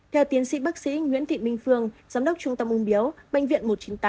theo tiến sĩ bác sĩ nguyễn thị minh phương giám đốc trung tâm ung biếu bệnh viện một trăm chín mươi tám